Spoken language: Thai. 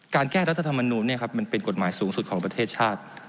แก้รัฐธรรมนูลมันเป็นกฎหมายสูงสุดของประเทศชาติ